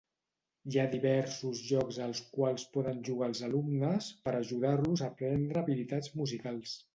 Hi ha diversos jocs als quals poden jugar els alumnes per ajudar-los a aprendre habilitats musicals.